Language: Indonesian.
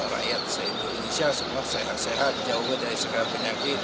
rakyat indonesia semua sehat sehat jauh dari segala penyakit